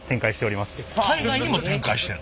海外にも展開してる？